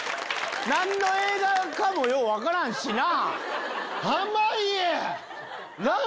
何の映画かもよう分からんしな。